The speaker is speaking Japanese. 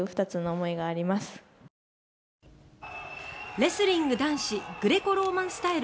レスリング男子グレコローマンスタイル